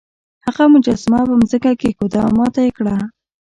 هغه مجسمه په ځمکه کیښوده او ماته یې کړه.